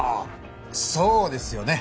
そうですよね。